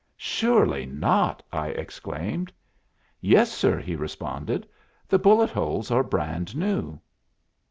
"Surely not!" I exclaimed. "Yes, sir," he responded. "The bullet holes are brand new."